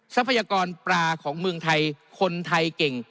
ทรัพยากรปลาของเมืองไทยคนไทยเก่ง